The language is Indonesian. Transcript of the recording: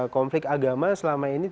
konflik agama selama ini